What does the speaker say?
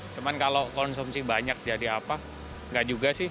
cuman kalau konsumsi banyak jadi apa enggak juga sih